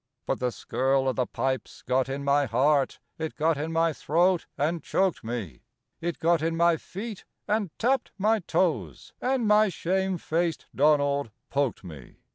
But the skirl o' the pipes got in my heart, It got in my throat and choked me, It got in my feet, and tapped my toes, And my shame faced Donald poked me.